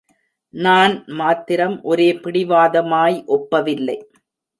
நான் மாத்திரம் ஒரே பிடிவாதமாய் ஒப்பவில்லை.